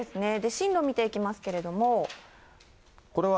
進路見ていきますけれどもこれは。